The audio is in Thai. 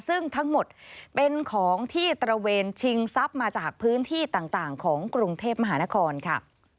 ซึ่งทั้งหมดเป็นของที่ตระเวนชิงทรัพย์มาจากพื้นที่ต่างของกรุงเทพมหานครค่ะ